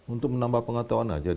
untuk menambah pengetahuan aja